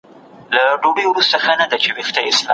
تاسو باید د بازار اړتیاوې وپېژنئ.